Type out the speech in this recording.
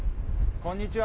こんにちは。